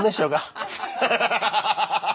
ハハハハ！